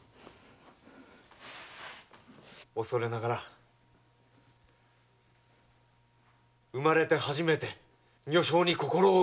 おそれながら生まれて初めて女性に心を奪われました！